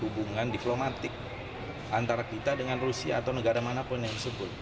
hubungan diplomatik antara kita dengan rusia atau negara manapun yang disebut